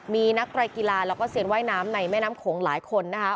มีนักไรกีฬาแล้วก็เซียนว่ายน้ำในแม่น้ำโขงหลายคนนะคะ